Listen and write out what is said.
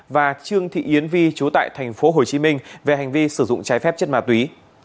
và trương thị yến vi chú tại thành phố hồ chí minh về hành vi sử dụng trái phép chất ma túy